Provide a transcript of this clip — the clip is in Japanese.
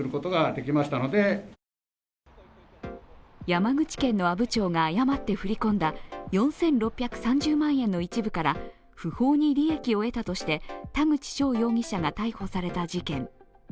山口県の阿武町が誤って振り込んだ４６３０万円の一部から不法に利益を得たとして田口翔容疑者が逮捕された事件。